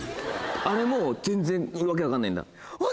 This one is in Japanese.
あれもう全然訳分かんないんだ？